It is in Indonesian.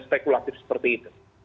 spekulatif seperti itu